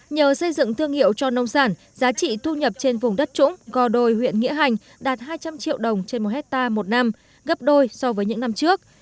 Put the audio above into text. nhờ xây dựng thương hiệu cho nông sản giá trị thu nhập trên vùng đất trũng gò đồi huyện nghĩa hành đạt hai trăm linh triệu đồng trên một hectare một năm gấp đôi so với những năm trước